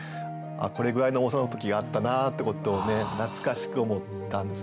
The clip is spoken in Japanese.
これぐらいの重さの時があったなってことをね懐かしく思ったんですね。